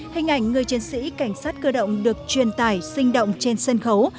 hình ảnh người chiến sĩ cảnh sát cơ động được truyền tải sinh động trên sân khấu